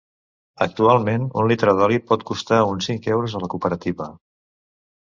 Actualment un litre d'oli pot costar uns cinc euros a la cooperativa.